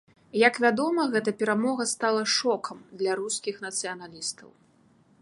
Як вядома, гэта перамога стала шокам для рускіх нацыяналістаў.